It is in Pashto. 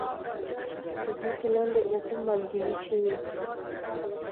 د ځمکې لاندې اوبه مالګینې شوي؟